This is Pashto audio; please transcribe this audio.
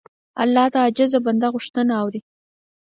الله د عاجز بنده غوښتنه اوري.